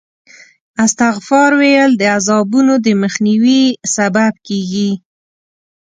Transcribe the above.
استغفار ویل د عذابونو د مخنیوي سبب کېږي.